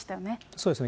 そうですね。